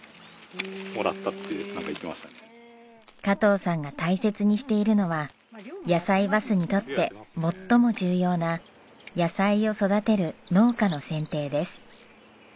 加藤さんが大切にしているのはやさいバスにとって最も重要な野菜を育てる農家の選定です。